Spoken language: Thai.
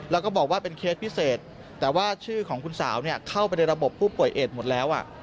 แล้วก็บอกว่าเป็นเคสพิเศษแต่ว่าชื่อของคุณสาวเข้าไปในระบบผู้ป่วยเอดหมดแล้ว